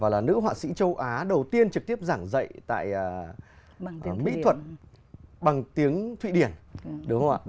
là nữ họa sĩ châu á đầu tiên trực tiếp giảng dạy tại mỹ thuật bằng tiếng thụy điển đúng không ạ